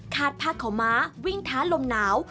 คาดภาคของม้าวิ่งท้าลมหนาว